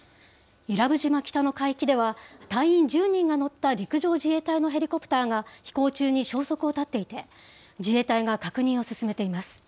伊良部島北の海域では隊員１０人が乗った陸上自衛隊のヘリコプターが飛行中に消息を絶っていて、自衛隊が確認を進めています。